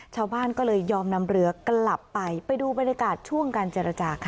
ชาวบ้านก็เลยยอมนำเรือกลับไปไปดูบรรยากาศช่วงการเจรจาค่ะ